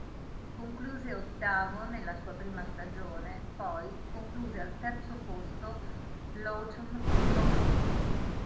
Concluse ottavo nella sua prima stagione, poi concluse al terzo posto l'Autumn Trophy.